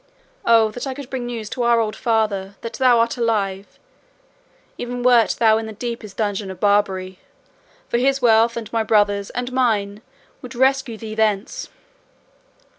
Oh that I could bring news to our old father that thou art alive, even wert thou the deepest dungeon of Barbary; for his wealth and my brother's and mine would rescue thee thence!